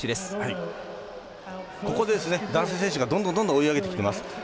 ここで男性選手がどんどん追い上げてきています。